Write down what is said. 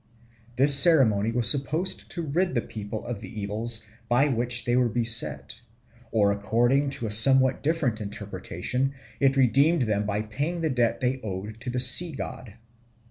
This ceremony was supposed to rid the people of the evils by which they were beset, or according to a somewhat different interpretation it redeemed them by paying the debt they owed to the sea god.